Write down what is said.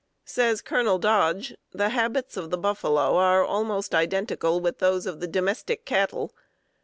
Says Colonel Dodge: "The habits of the buffalo are almost identical with those of the domestic cattle.